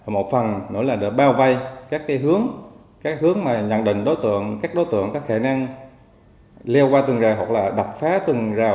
một phần nữa là để bao vây các hướng nhận định đối tượng các khả năng leo qua từng rào hoặc là đập phá từng rào